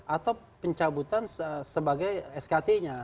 atau pencabutan sebagai skt nya